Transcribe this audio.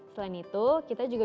selain itu kita juga